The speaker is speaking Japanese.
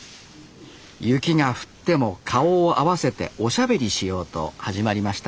雪が降っても顔を合わせておしゃべりしようと始まりました